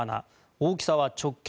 大きさは直径